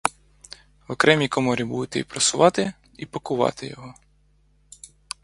В окремій коморі будете й прасувати, і пакувати його.